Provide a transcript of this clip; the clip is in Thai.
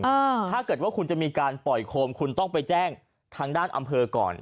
ถ้าเกิดว่าคุณจะมีการปล่อยโคมคุณต้องไปแจ้งทางด้านอำเภอก่อน